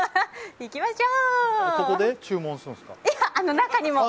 行きましょう！